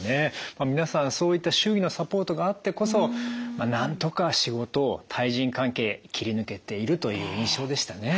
皆さんそういった周囲のサポートがあってこそなんとか仕事対人関係切り抜けているという印象でしたね。